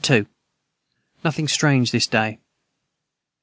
Nothing strange this day.